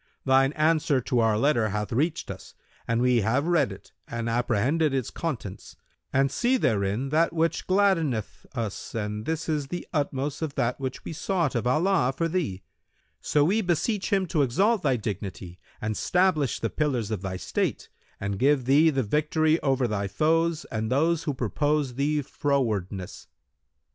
Thine answer to our letter hath reached us and we have read it and apprehended its contents and see therein that which gladdeneth us and this is the utmost of that which we sought of Allah for thee; so we beseech Him to exalt thy dignity and stablish the pillars of thy state and give thee the victory over thy foes and those who purpose thee frowardness.